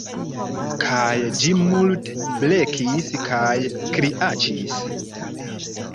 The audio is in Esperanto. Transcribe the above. Kaj ĝi multe blekis kaj kriaĉis